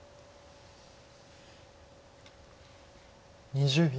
２０秒。